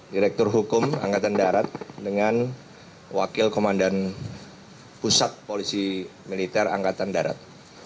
direktur hukum angkatan darat dengan wakil komandan pusat polisi militer angkatan darat